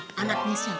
kok tangannya diturunin